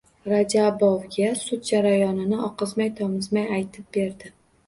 Rajabovga sud jarayonini oqizmay-tomizmay aytib berdi.